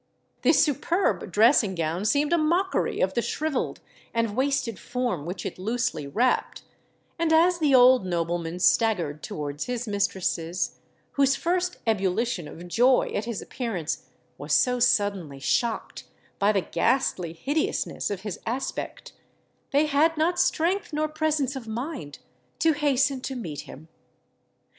The superb dressing gown seemed a mockery of the shrivelled and wasted form which it loosely wrapped; and as the old nobleman staggered towards his mistresses, whose first ebullition of joy at his appearance was so suddenly shocked by the ghastly hideousness of his aspect, they had not strength nor presence of mind to hasten to meet him.